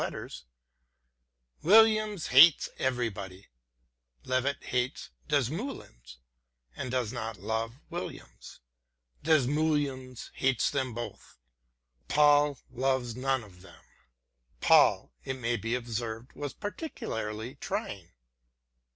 letters : Williams hates everybody : Levett hates Desmoulins, and does not love Williams : Desmoulins hates them both. Poll loves none of them.* Poll, it may be observed, was particularly trying.